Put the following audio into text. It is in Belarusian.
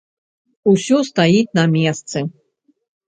Усё стаіць на месцы.